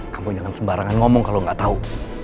kamu jangan sebarangan ngomong kalo gak tau